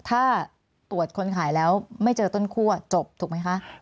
ถ้าตรวจคนขายแล้วไม่เจอต้นคั่วจบถูกไหมคะ